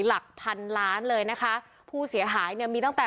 หลักทันล้านคุณผู้เสียหายเราก็มีตั้งแต่